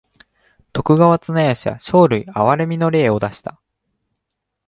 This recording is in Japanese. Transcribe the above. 徳川綱吉は生類憐みの令を出した。